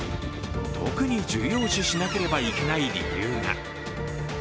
特に重要視しなければいけない理由が。